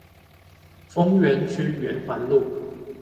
豐原區圓環路